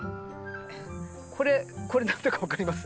これこれ何だか分かります？